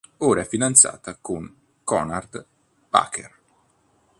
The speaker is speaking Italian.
Ora è fidanzata con Conrad Baker.